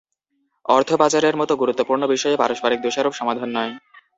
অর্থ পাচারের মতো গুরুত্বপূর্ণ বিষয়ে পারস্পরিক দোষারোপ সমাধান নয়।